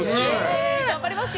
頑張りますよ。